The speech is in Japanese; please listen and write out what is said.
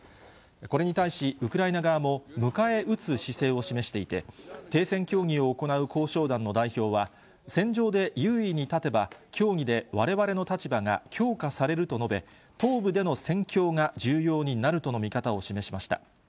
これに対しウクライナ側も、迎え撃つ姿勢を示していて、停戦協議を行う交渉団の代表は、戦場で優位に立てば、協議でわれわれの立場が強化されると述べ、東部での戦況が重要になるとの見方を示しました。